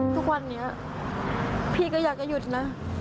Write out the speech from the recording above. ทุกวันนี้พี่ก็อยากจะหยุดนะ